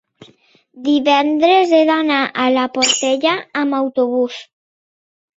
divendres he d'anar a la Portella amb autobús.